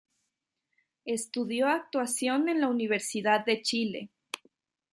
Estudió actuación en la Universidad de Chile.